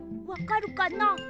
わかるかな？